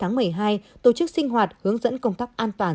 ngày một mươi một mươi hai tổ chức sinh hoạt hướng dẫn công tác an toàn